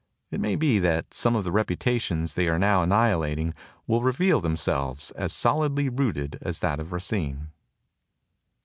It may be that some of the reputations they are now annihilating will reveal themselves as solidly rooted as that of Racine.